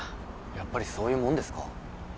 やっぱりそういうもんですか？